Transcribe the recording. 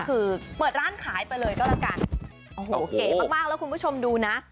คือเปิดร้านขายไปเลยก็แล้วกันโอ้โหเก๋มากมากแล้วคุณผู้ชมดูนะ